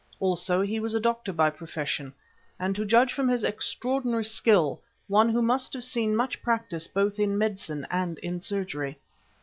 Also he was a doctor by profession, and to judge from his extraordinary skill, one who must have seen much practice both in medicine and in surgery.